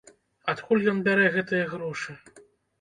Адкуль ён бярэ гэтыя грошы?